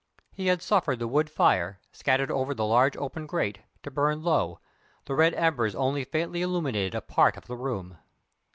He had suffered the wood fire, scattered over the large open grate, to burn low; the red embers only faintly illuminated a part of the room.